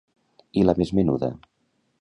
I la més menuda?